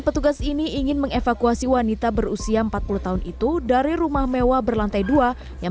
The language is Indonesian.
petugas ini ingin mengevakuasi wanita berusia empat puluh tahun itu dari rumah mewah berlantai dua yang